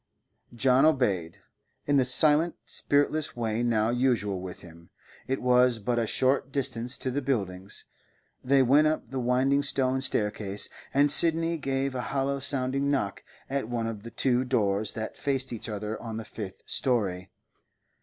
John obeyed, in the silent, spiritless way now usual with him. It was but a short distance to the buildings: they went up the winding stone staircase, and Sidney gave a hollow sounding knock at one of the two doors that faced each other on the fifth storey.